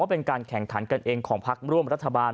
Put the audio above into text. เป็นการแข่งขันกันเองของพักร่วมรัฐบาล